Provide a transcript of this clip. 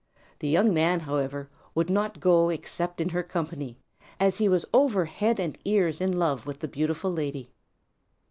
The young man, however, would not go except in her company, as he was over head and ears in love with the beautiful lady.